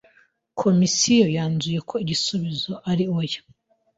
Komisiyo yanzuye ko igisubizo ari oya.